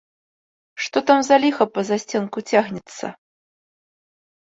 Што там за ліха па засценку цягнецца?